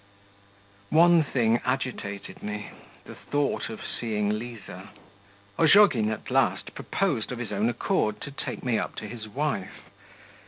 One thing agitated me, the thought of seeing Liza.... Ozhogin, at last, proposed of his own accord to take me up to his wife.